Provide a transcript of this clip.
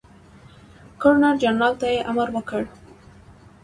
ګورنرجنرال ته یې امر وکړ.